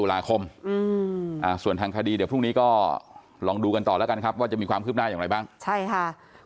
ส่วนทางคดีเดี๋ยวพรุ่งนี้ก็ลองดูกันต่อแล้วกันครับว่าจะมีความคืบหน้าอย่างไรบ้างใช่ค่ะ